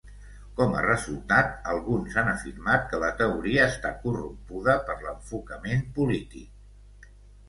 Com a resultat, alguns han afirmat que la teoria està corrompuda per l'enfocament polític.